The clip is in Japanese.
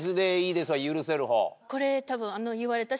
これ多分。